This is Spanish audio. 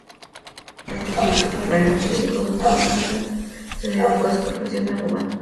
Al concluir su carrera, Federico González Garza se dedicó a su profesión de abogado.